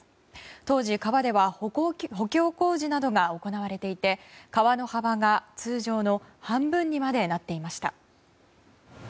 当時、川では補強工事などが行われていて川の幅が通常の半分にまでなっていました。